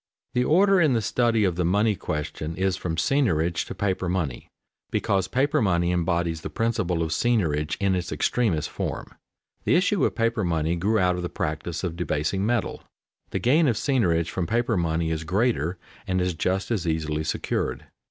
_ The order in the study of the money question is from seigniorage to paper money, because paper money embodies the principle of seigniorage in its extremest form. The issue of paper money grew out of the practice of debasing metal. The gain of seigniorage from paper money is greater and is just as easily secured.